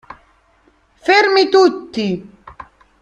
Fermi tutti!".